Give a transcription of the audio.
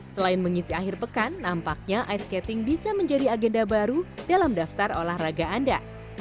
selain mengisi akhir pekan nampaknya ice skating bisa menjadi agenda baru dalam daftar olahraga anda